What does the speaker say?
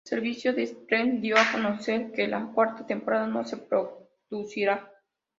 El servicio de streaming dio a conocer que la cuarta temporada no se producirá.